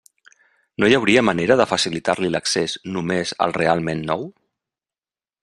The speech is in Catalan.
No hi hauria manera de facilitar-li l'accés només al realment nou?